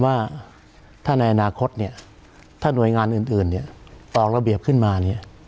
ว่าถ้าในอนาคตเนี่ยถ้าหน่วยงานอื่นออกระเบียบขึ้นมาเนี่ย